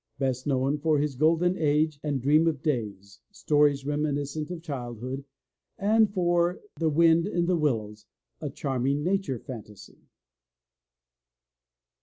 Best known for his Golden Age and Dream Days, stories reminiscent of childhood, and for The Wind in the Willows, a charming nature fantasy.